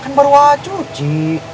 kan baru wajut ci